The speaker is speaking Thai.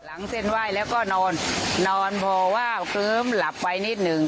เส้นไหว้แล้วก็นอนนอนพอว่าวเคิ้มหลับไปนิดหนึ่ง